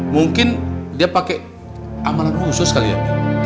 mungkin dia pakai amalan khusus kali ya